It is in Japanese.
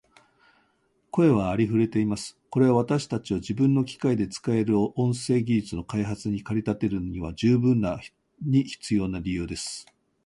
声はありふれています。これは私たちを自分の機械で使える音声技術の開発に駆り立てるには十分に必要な理由です。しかし、音声を用いたシステムを開発するには途方もない量の音声データが必要です。